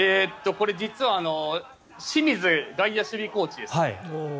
実は清水外野守備コーチです。